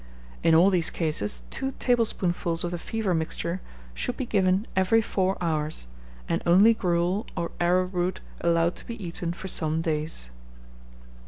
In all these cases, two tablespoonfuls of the fever mixture should be given every four hours, and only gruel or arrowroot allowed to be eaten for some days.